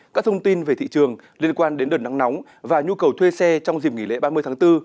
các thông tin về thị trường liên quan đến đợt nắng nóng và nhu cầu thuê xe trong dịp nghỉ lễ ba mươi tháng bốn